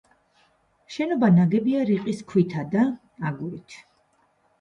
შენობა ნაგებია რიყის ქვითა და აგურით.